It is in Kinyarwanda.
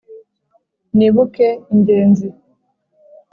Nibuke ingenzi